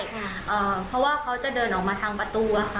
เพราะว่าเขาจะเดินออกมาทางประตูค่ะ